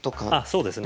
そうです